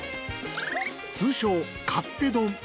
通称勝手丼。